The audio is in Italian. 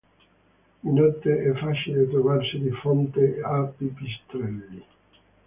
Di notte è facile trovarsi di fronte a pipistrelli.